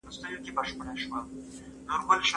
ملتونه د حکومت لخوا په مختلفو چارو بوخت ساتل کیږي.